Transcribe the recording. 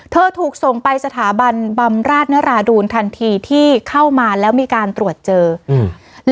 ถูกส่งไปสถาบันบำราชนราดูนทันทีที่เข้ามาแล้วมีการตรวจเจออืม